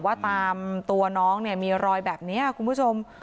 ว่าตามตัวน้องเนี่ยมีรอยแบบนี้คุณผู้ชม